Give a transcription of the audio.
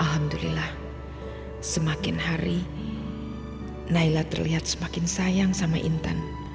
alhamdulillah semakin hari naila terlihat semakin sayang sama intan